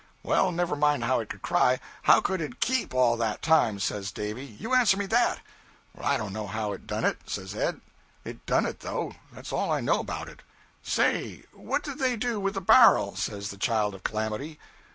'Well, never mind how it could cry how could it _keep _all that time?' says Davy. 'You answer me that.' 'I don't know how it done it,' says Ed. 'It done it though that's all I know about it.' 'Say what did they do with the bar'l?' says the Child of Calamity.